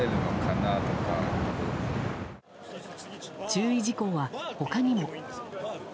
注意事項は、他にも。